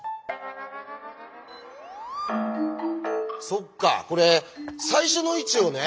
そっかこれ最初の位置をね